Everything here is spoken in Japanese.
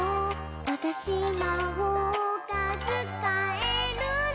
「わたしまほうがつかえるの！」